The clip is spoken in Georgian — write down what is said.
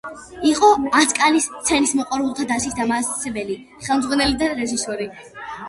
იყო ასკანის სცენისმოყვარულთა დასის დამაარსებელი, ხელმძღვანელი და რეჟისორი.